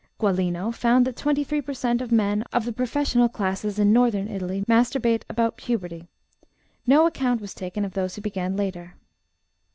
Gualino found that 23 per cent. men of the professional classes in North Italy masturbate about puberty; no account was taken of those who began later.